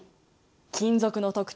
金属の特徴